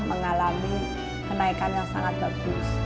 mengalami kenaikan yang sangat bagus